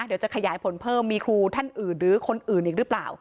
เดี๋ยวจะขยายผลเพิ่มมีครูท่านอื่นหรือคนอื่นอีกหรือเปล่า